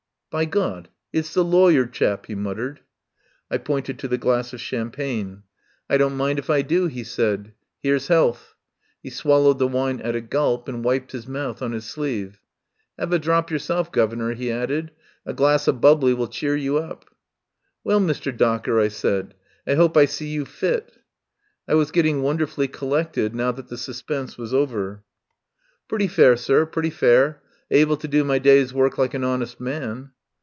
"By God, it's the lawyer chap," he mut tered. I pointed to the glass of champagne. "I don't mind if I do," he said. " 'Ere's health!" He swallowed the wine at a gulp, and wiped his mouth on his sleeve. " 'Ave a drop yourself, guvnor," he added. "A glass of bubbly will cheer you up." "Well, Mr. Docker," I said, "I hope I see you fit." I was getting wonderfully collected now that the suspense was over. H3 THE POWER HOUSE "Pretty fair, sir. Pretty fair. Able to do my day's work like an honest man."